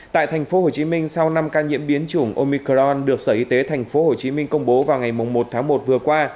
tại tp hcm sau năm ca nhiễm biến chủng omicron được sở y tế tp hcm công bố vào ngày một tháng một vừa qua